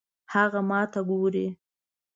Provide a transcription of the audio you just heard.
هغه ماته ګوري